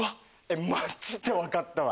マッジで分かったわ。